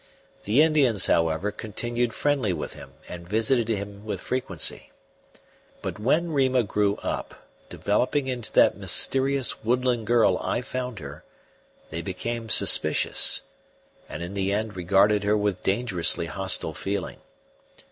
The Indians, however, continued friendly with him and visited him with frequency. But when Rima grew up, developing into that mysterious woodland girl I found her, they became suspicious, and in the end regarded her with dangerously hostile feeling.